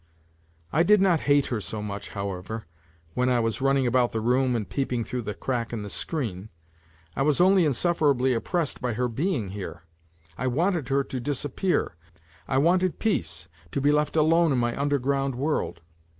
I did not hate her so much, however, when I was running about the room and peeping through the crack in the screen. I was only insufferably oppressed by her being here. I wanted her to disappear. I wanted " peace," to be left alone in my under ground world.